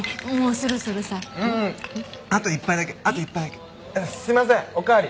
すいませんおかわり！